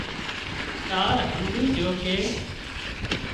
تار همزي جھو ڪي